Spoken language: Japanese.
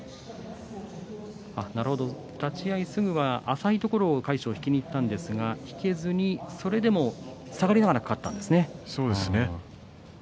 立ち合いすぐは浅いところを魁勝が引きにいったんですが引けずにそれでも下がりながら勝ったんですね。